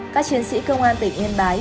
các chiến sĩ công an tỉnh yên bái